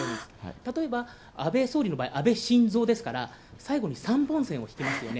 例えば、安倍総理の場合「安倍晋三」ですから最後に３本線を引きますよね。